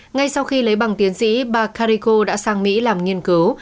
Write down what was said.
ngay sau khi lấy bằng tiến sĩ bà carico đã sang mỹ làm nghiên cứu